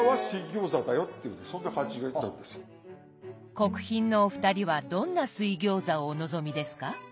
国賓のお二人はどんな水餃子をお望みですか？